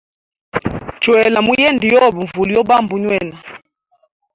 Chwela muyende yobe nvula yo bamba unywena.